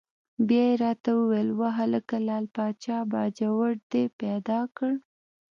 بیا یې را ته وویل: وهلکه لعل پاچا باجوړ دې پیدا کړ؟!